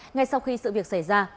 ngay sau khi sự việc xảy ra